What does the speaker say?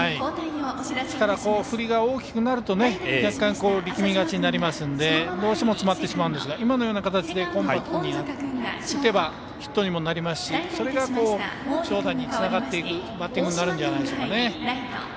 振りが大きくなると若干、力みがちになりますのでどうしても詰まってしまうんですが今のような形でコンパクトに打てばヒットにもなりますしそれが長打につながっていくバッティングになるんじゃないでしょうか。